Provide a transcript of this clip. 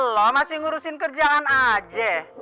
loh masih ngurusin kerjaan aja